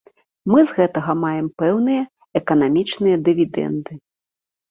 Мы з гэтага маем пэўныя эканамічныя дывідэнды.